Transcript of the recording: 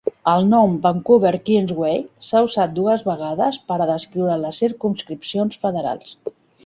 El nom "Vancouver Kingsway" s'ha usat dues vegades per a descriure les circumscripcions federals.